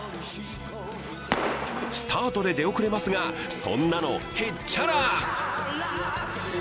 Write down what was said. スタートで出遅れますが、そんなのヘッチャラ！